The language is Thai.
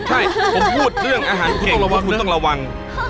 ใช่ผมพูดเรื่องอาหารเค้กว่าคุณต้องระวัง